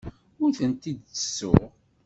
Ur tent-id-ttessuɣ.